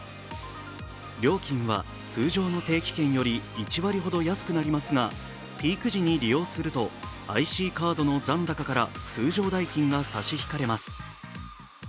料金は通常の定期券より１割ほど安くなりますがピーク時に利用すると、ＩＣカードの残高から通常代金が差し引かれます。